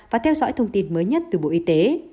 và theo dõi thông tin mới nhất từ bộ y tế